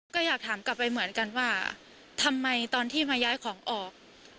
ก็อยากถามกลับไปเหมือนกันว่าทำไมตอนที่มาย้ายของออก